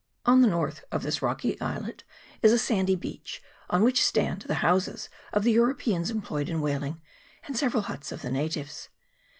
On the north of this rocky islet is a sandy beach, on which stand the houses of the Europeans em ployed in whaling, and several huts of the natives.